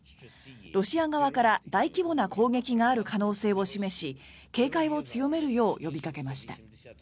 ロシア側から大規模な攻撃がある可能性を示し警戒を強めるよう呼びかけました。